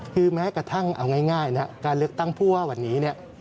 คือแม้กระทั่งเอาง่ายนะการเลือกตั้งผู้ว่าวันนี้เนี่ย